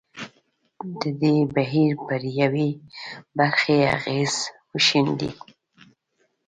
د دې بهیر پر یوې برخې اغېز وښندي.